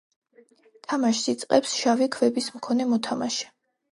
თამაშს იწყებს შავი ქვების მქონე მოთამაშე.